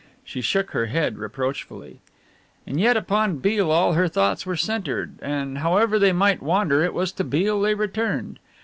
She shook her head reproachfully. And yet upon Beale all her thoughts were centred, and however they might wander it was to Beale they returned.